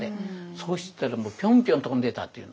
そしたらもうピョンピョン跳んでたっていうの。